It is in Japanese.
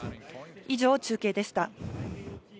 以上、中継でした。